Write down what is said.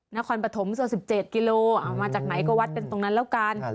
นครปฐมส่วน๑๗กิโลเอามาจากไหนก็วัดกันตรงนั้นแล้วกัน